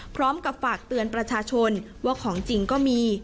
พร้อมกับฝากเตือนประชาชนว่าของจริงก็มี